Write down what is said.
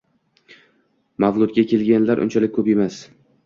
Mavludga kelganlar unchalik ko'p emas.